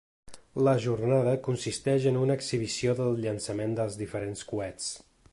La jornada consisteix en una exhibició del llançament dels diferents coets.